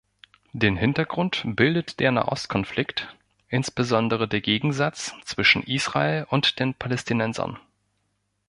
Den Hintergrund bildet der Nahostkonflikt, insbesondere der Gegensatz zwischen Israel und den Palästinensern.